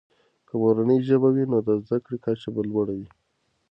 که مورنۍ ژبه وي، نو د زده کړې کچه به لوړه وي.